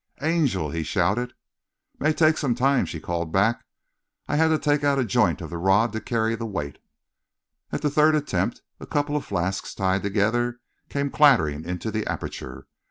"Angel!" he shouted. "May take me some time," she called back. "I've had to take out a joint of the rod to carry the weight." At the third attempt, a couple of flasks, tied together, came clattering into the aperture.